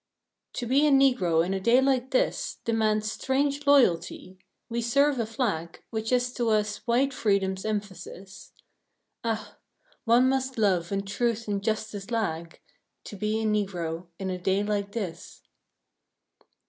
To be a Negro in a day like this Demands strange loyalty. We serve a flag Which is to us white freedom's emphasis. Ah! one must love when Truth and Justice lag, To be a Negro in a day like this.